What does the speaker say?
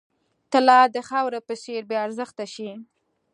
طلا د خاورې په څېر بې ارزښته شي.